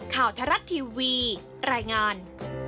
ข่าวทรัศน์ทีวีรายงาน